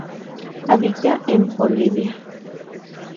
Habita en Bolivia.